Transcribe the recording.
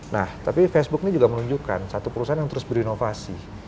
nah tapi facebook ini juga menunjukkan satu perusahaan yang terus berinovasi